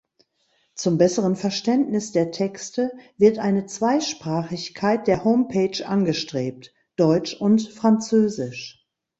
Zum besseren Verständnis der Texte wird eine Zweisprachigkeit der Homepage angestrebt (Deutsch und Französisch).